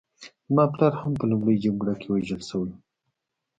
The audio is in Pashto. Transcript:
زما پلار هم په لومړۍ جګړه کې وژل شوی و